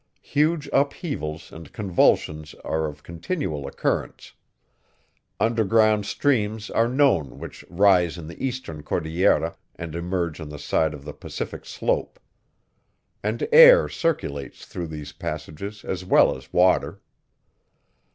Huge upheavals and convulsions are of continual occurrence; underground streams are known which rise in the eastern Cordillera and emerge on the side of the Pacific slope. And air circulates through these passages as well as water.